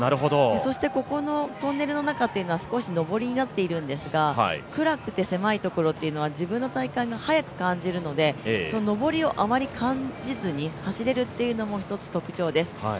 そしてここのトンネルの中っていうのは少し上りになっているんですが、暗くて狭いところというのは自分の体感より早く感じるので、のぼりをあまり感じずに走れるというのも一つの特徴です。